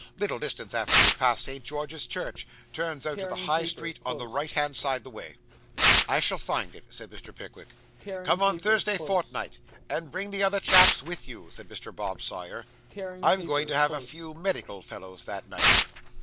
Little distance after you've passed St. George's Church turns out of the High Street on the right hand side the way.' 'I shall find it,' said Mr. Pickwick. 'Come on Thursday fortnight, and bring the other chaps with you,' said Mr. Bob Sawyer; 'I'm going to have a few medical fellows that night.